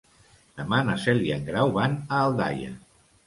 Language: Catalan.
Demà na Cel i en Grau van a Aldaia.